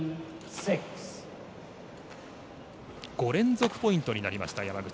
５連続ポイントになった、山口。